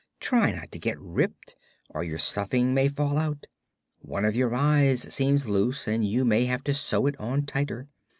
Try not to get ripped, or your stuffing may fall out. One of your eyes seems loose, and you may have to sew it on tighter.